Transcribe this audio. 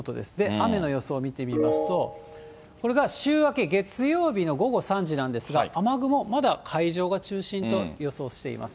雨の予想を見てみますと、これが週明け、月曜日の午後３時なんですが、雨雲、まだ海上が中心と予想しています。